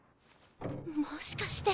もしかして。